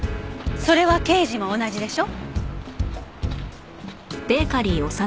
それは刑事も同じでしょ？